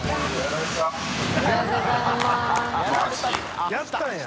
田渕）やったんや！